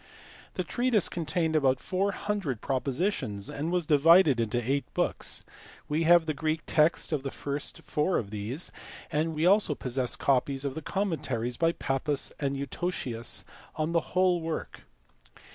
The treatise contained about four hundred propositions and was divided into eight books ; we have the Greek text of the first four of these, and we also possess copies of the commentaries by Pappus and Eutocius on the whole work.